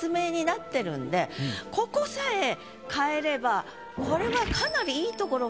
ここさえ変えればこれは。